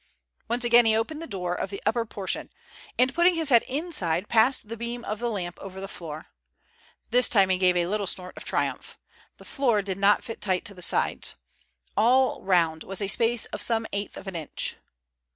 Once again he opened the door of the upper portion, and putting his head inside passed the beam of the lamp over the floor. This time he gave a little snort of triumph. The floor did not fit tight to the sides. All round was a space of some eighth of an inch.